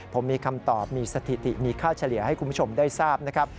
ผมมีคำตอบมีสถิติมีค่าเฉลี่ยให้คุณผู้ชมได้ทราบนะครับ